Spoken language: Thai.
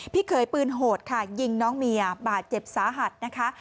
เคยปืนโหดค่ะยิงน้องเมียบาดเจ็บสาหัสนะคะ